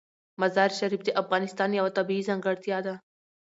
مزارشریف د افغانستان یوه طبیعي ځانګړتیا ده.